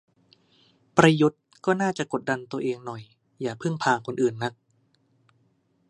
ประยุทธ์ก็น่าจะกดดันตัวเองหน่อย อย่าพึ่งพาคนอื่นนัก